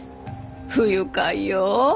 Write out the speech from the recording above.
不愉快よ。